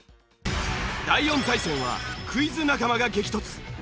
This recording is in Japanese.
第４対戦はクイズ仲間が激突。